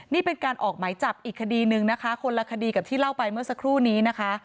นี่เป็นการออกหมายจับอีกคดีหนึ่งนะคะคนละคดีกับที่เล่าไปเมื่อสักครู่นี้นะคะ